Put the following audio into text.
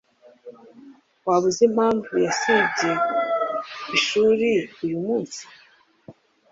Waba uzi impamvu yasibye ishuri uyumunsi?